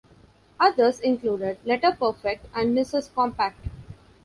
Others included LetterPerfect and Nisus Compact.